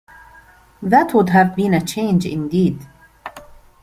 That would have been a change indeed.